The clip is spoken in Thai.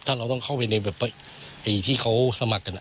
ถ้าเราต้องเข้าไปในแบบที่เขาสมัครกัน